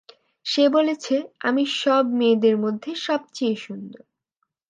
সে বলেছে, আমি সব মেয়েদের মধ্যে সবচেয়ে সুন্দর।